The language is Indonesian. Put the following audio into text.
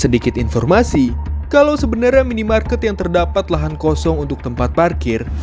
sedikit informasi kalau sebenarnya minimarket yang terdapat lahan kosong untuk tempat parkir